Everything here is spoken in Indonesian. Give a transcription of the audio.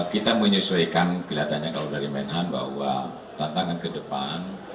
kita menyesuaikan kelihatannya kalau dari menhan bahwa tantangan ke depan